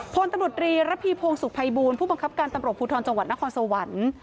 พลตำรวจรีระพีพงศุภัยบูลผู้บังคับการตำรวจภูทรจังหวัดนครสวรรค์